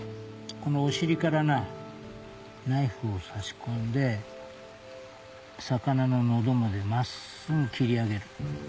このお尻からなナイフをさし込んで魚の喉まで真っすぐ切り上げる。